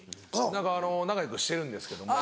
何か仲良くしてるんですけども。